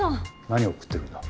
何を食ってるんだ？